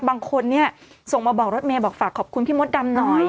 บางคนเนี่ยส่งมาบอกรถเมย์บอกฝากขอบคุณพี่มดดำหน่อย